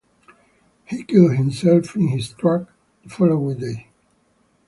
He killed himself in his truck the following day.